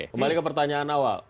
kembali ke pertanyaan awal